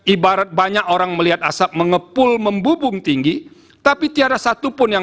ibarat banyak orang melihat asap mengepul membubung tinggi tapi tiara satupun yang